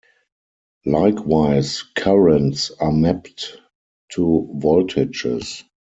Likewise, currents are mapped to voltages.